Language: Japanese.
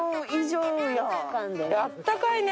あったかいね。